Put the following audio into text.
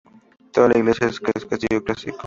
Toda la iglesia es de estilo clásico.